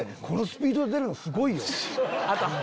このスピードで出るのすごいよ！